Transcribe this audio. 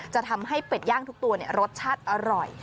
จะทำให้เป็ดย่างทุกตัวรสชาติอร่อย